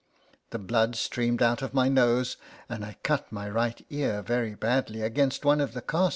The blood streamed out of my nose, and I cut my right ear very badly against one of the castors of the table.